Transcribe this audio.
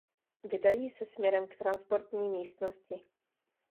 Vydají se směrem k transportní místnosti.